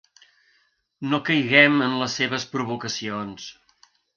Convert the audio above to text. No caiguem en les seves provocacions.